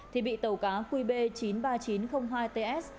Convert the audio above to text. thì bị tàu cá qb chín mươi ba nghìn chín trăm linh hai ts